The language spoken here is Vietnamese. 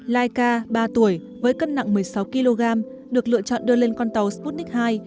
laika ba tuổi với cân nặng một mươi sáu kg được lựa chọn đưa lên con tàu sputnik hai